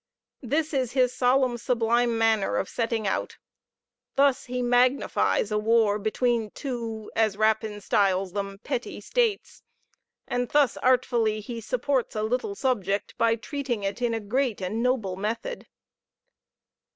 This is his solemn, sublime manner of setting out. Thus he magnifies a war between two, as Rapin styles them, petty states; and thus artfully he supports a little subject by treating it in a great and noble method."